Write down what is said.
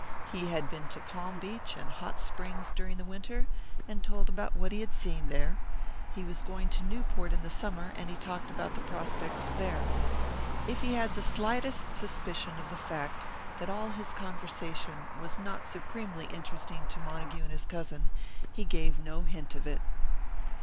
He had been to Palm Beach and Hot Springs during the winter, and told about what he had seen there; he was going to Newport in the summer, and he talked about the prospects there. If he had the slightest suspicion of the fact that all his conversation was not supremely interesting to Montague and his cousin, he gave no hint of it.